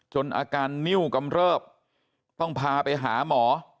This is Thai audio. อาการนิ้วกำเริบต้องพาไปหาหมอ